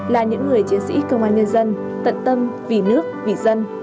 là những người chiến sĩ công an nhân dân tận tâm vì nước vì dân